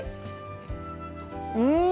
うん！